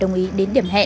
ông uống nước thế à